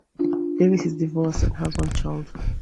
Davis is divorced and has one child.